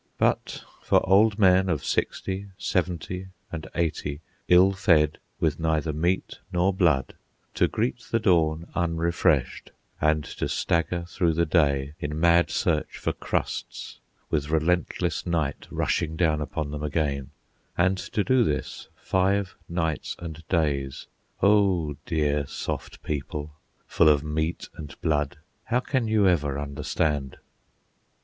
But for old men of sixty, seventy, and eighty, ill fed, with neither meat nor blood, to greet the dawn unrefreshed, and to stagger through the day in mad search for crusts, with relentless night rushing down upon them again, and to do this five nights and days—O dear, soft people, full of meat and blood, how can you ever understand?